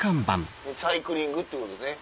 サイクリングっていうことでね。